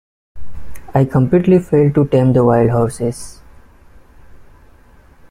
I completely failed to tame the wild horses.